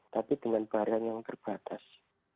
tapi dengan barang yang terbatas